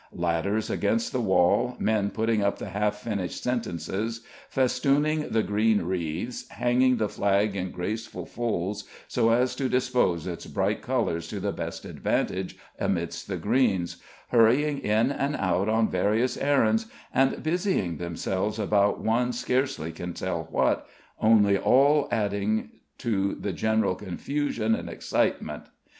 Ladders against the wall, men putting up the half finished sentences, festooning the green wreaths, hanging the flag in graceful folds, so as to dispose its bright colors to the best advantage amidst the greens, hurrying in and out on various errands, and busying themselves about one scarcely can tell what, only all adding to the general confusion and excitement.